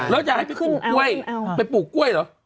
แล้วจะให้ไปขึ้นกล้วยไปปลูกกล้วยเหรอ